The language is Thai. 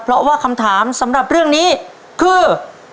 เพราะว่าคำถามสำหรับเรื่องนี้คือ